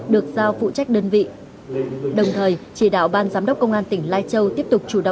được giao phụ trách đơn vị đồng thời chỉ đạo ban giám đốc công an tỉnh lai châu